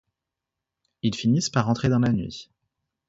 Ils finissent par rentrer dans la nuit.